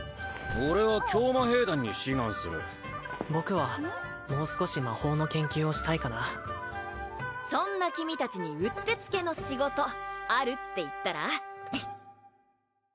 俺は教魔兵団に志願する僕はもう少し魔法の研究をしたいかなそんな君達にうってつけの仕事あるって言ったら？